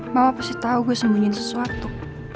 mama pasti tahu gue sembunyiin sesuatu